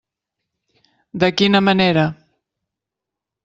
De quina manera?